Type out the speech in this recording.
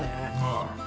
ああ。